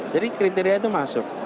jadi kriteria itu masuk